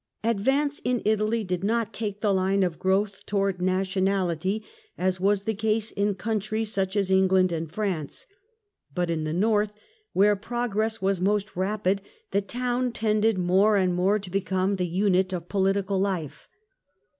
Develop Advance in Ital}^ did not take the line of growth mentofthe, i j. i i ii • i_ • i aty State towards nationality, as was the case in countries such as England and France ; but in the North, where progress was most rapid, the town tended more and more to be come the unit of political life.